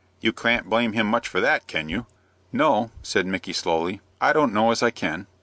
"You can't blame him much for that, can you?" "No," said Micky, slowly, "I dunno as I can."